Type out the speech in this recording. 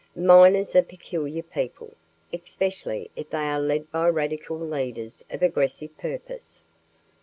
"Miners are peculiar people, especially if they are lead by radical leaders of aggressive purpose.